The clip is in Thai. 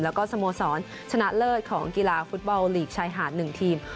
แล้วก็สโมสรชนะเลิศของกีฬาฟุตบอลลีกชายหาด๑ทีม